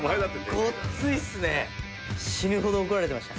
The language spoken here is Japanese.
ごついっすね。